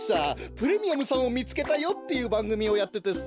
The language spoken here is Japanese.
「プレミアムさんを見つけたよ！」っていうばんぐみをやっててさ。